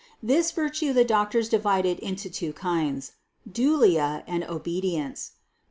This virtue the doctors divide into two kinds : dulia and obedience.